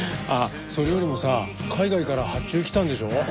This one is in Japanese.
あっそれよりもさ海外から発注来たんでしょ？